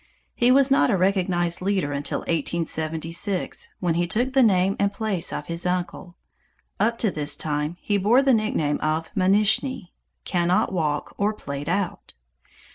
He was not a recognized leader until 1876, when he took the name and place of his uncle. Up to this time he bore the nickname of Manishnee (Can not walk, or Played out.)